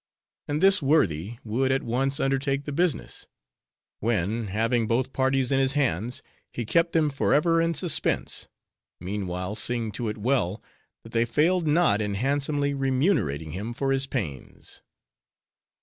And this worthy would at once undertake the business; when, having both parties in his hands, he kept them forever in suspense; meanwhile seeing to it well, that they failed not in handsomely remunerating him for his pains.